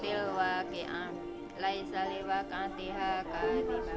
lihatlah bagaimana kita mengajari odgj